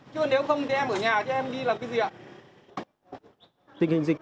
chứ nếu không thì em ở nhà thì em đi làm cái gì ạ